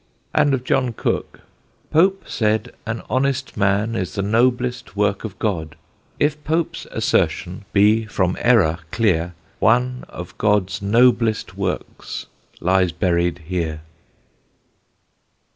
and of John Cook: Pope said an honest man Is the noblest work of God. If Pope's assertion be from error clear, One of God's noblest works lies buried here.